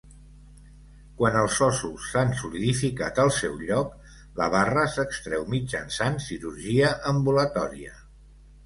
Quan els ossos s'han solidificat al seu lloc, la barra s'extreu mitjançant cirurgia ambulatòria.